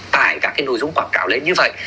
tải các cái nội dung quảng cáo lên như vậy